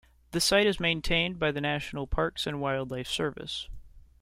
The site is maintained by the National Parks and Wildlife Service.